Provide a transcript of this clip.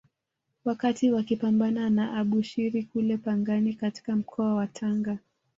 Wakati wakipambana na Abushiri kule Pangani katika mkoa wa Tanga